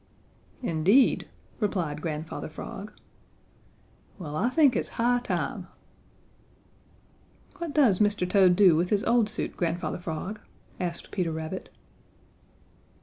"Indeed!" replied Grandfather Frog. "Well, I think it's high time." "What does Mr. Toad do with his old suit, Grandfather Frog?" asked Peter Rabbit.